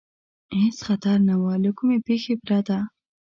هېڅ خطر نه و، له کومې پېښې پرته.